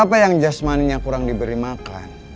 apa yang jasmaninya kurang diberi makan